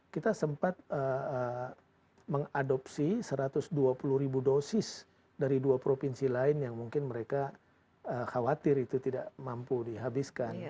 kita sempat mengadopsi satu ratus dua puluh ribu dosis dari dua provinsi lain yang mungkin mereka khawatir itu tidak mampu dihabiskan